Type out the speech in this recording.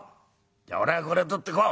「じゃあ俺はこれを取ってこう」。